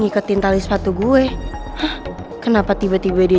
gimana pak keadaannya